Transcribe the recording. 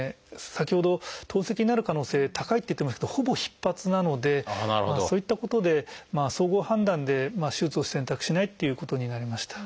先ほど透析になる可能性高いって言ってましたけどほぼ必発なのでそういったことで総合判断で手術を選択しないっていうことになりました。